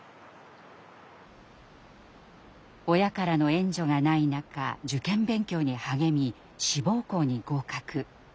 親からの援助がない中受験勉強に励み志望校に合格。